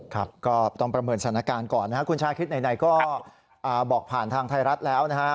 ครับก็ต้องประเมินสถานการณ์ก่อนนะครับคุณชาคริสไหนก็บอกผ่านทางไทยรัฐแล้วนะฮะ